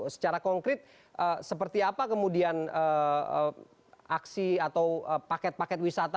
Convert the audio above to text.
secara konkret seperti apa kemudian aksi atau paket paket wisata